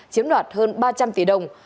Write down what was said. chiếm đoạt hơn ba trăm linh tỷ đồng